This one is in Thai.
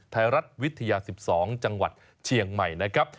ไทยรัฐวิทยา๑๒จังหวัดเชียงใหม่นะครับ